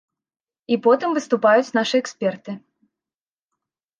І потым выступаюць нашы эксперты.